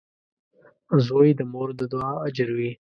• زوی د مور د دعا اجر وي.